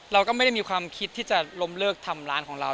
เราก็ไม่ได้มีความคิดที่จะล้มเลิกทำร้านของเรา